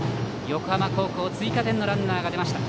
横浜高校追加点のランナーが出ました。